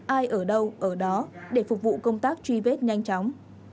ai ở đâu ở đó để phục vụ công tác truy vết nhanh chóng